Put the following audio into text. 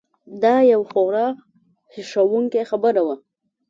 دا یو خورا هیښوونکې خبره وه.